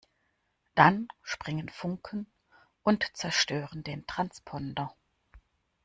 Dann springen Funken und zerstören den Transponder.